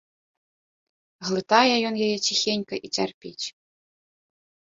Глытае ён яе ціхенька і цярпіць.